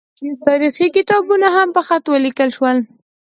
تاریخي کتابونه هم په خط ولیکل شول.